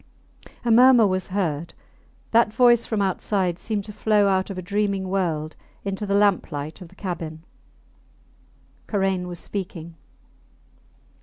A murmur was heard; that voice from outside seemed to flow out of a dreaming world into the lamp light of the cabin. Karain was speaking.